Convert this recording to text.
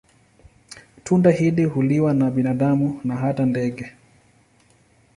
Tunda hili huliwa na binadamu na hata ndege.